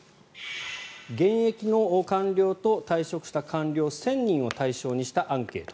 現役の官僚と退職した官僚１０００人を対象にしたアンケート。